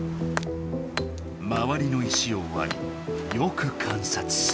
まわりの石をわりよく観察する。